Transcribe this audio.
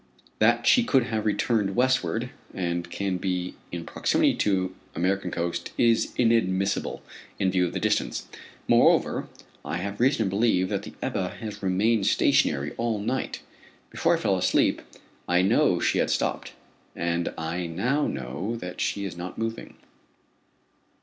That she could have returned westward, and can be in proximity to the American coast, is inadmissible, in view of the distance. Moreover, I have reason to believe that the Ebba has remained stationary all night. Before I fell asleep, I know she had stopped, and I now know that she is not moving.